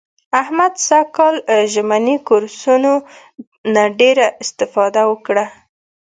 احمد سږ کال له ژمني کورسونو نه ډېره اسفاده وکړه.